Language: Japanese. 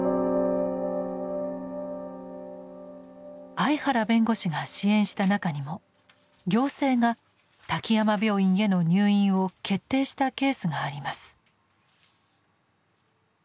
相原弁護士が支援した中にも行政が滝山病院への入院を決定したケースがあります。